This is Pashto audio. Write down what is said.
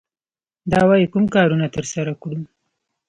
دا وايي کوم کارونه ترسره کړو.